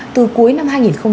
từ cuối năm hai nghìn hai mươi